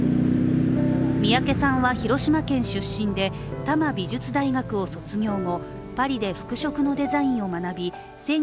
三宅さんは広島県出身で多摩美術大学を卒業後パリで服飾のデザインを学び